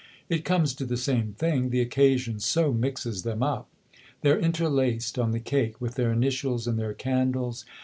" It comes to the same thing the occasion so mixes them up. They're interlaced on the cake with their initials and their candles.